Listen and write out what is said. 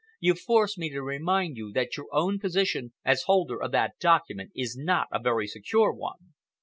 You force me to remind you that your own position as holder of that document is not a very secure one.